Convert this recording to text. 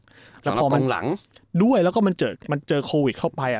สำหรับโกงหลังด้วยแล้วก็มันเจอมันเจอโควิดเข้าไปอ่ะ